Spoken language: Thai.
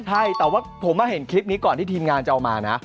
ใช่แต่ว่าผมมาเห็นคลิปนี้ก่อนที่ทีมงานจะเอามานะ